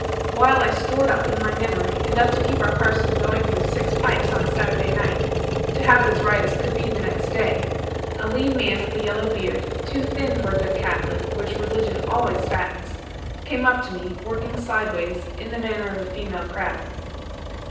While I stored up, in my memory, enough to keep our parson going through six pipes on a Saturday night to have it as right as could be next day a lean man with a yellow beard, too thin for a good Catholic (which religion always fattens), came up to me, working sideways, in the manner of a female crab.